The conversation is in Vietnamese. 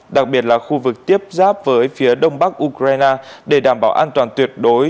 đặc biệt là khu vực tiếp giáp với phía đông bắc ukraine để đảm bảo an toàn tuyệt đối